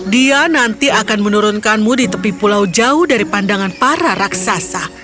dia nanti akan menurunkanmu di tepi pulau jauh dari pandangan para raksasa